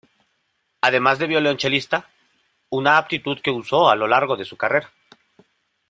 Además fue violonchelista, una aptitud que usó a lo largo de su carrera.